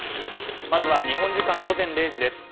まずは日本時間午前０時です。